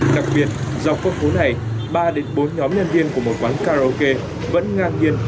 đặc biệt dọc phố này ba bốn nhóm nhân viên của một quán karaoke vẫn ngang nhiên